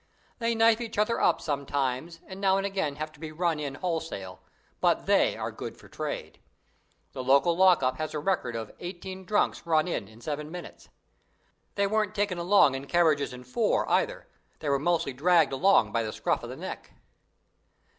They knife each other sometimes, and now and again have to be run in wholesale, but they are "good for trade". The local lock up has a record of eighteen drunks run in in seven minutes. They weren't taken along in carriages and four, either; they were mostly dragged along by the scruff of the neck.